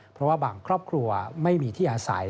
เพราะว่าบางครอบครัวไม่มีที่อาศัย